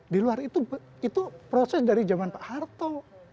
di luar itu proses dari zaman pak harto